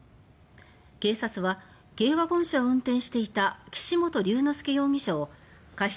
警察は軽ワゴン車を運転していた岸本竜之介容疑者を過失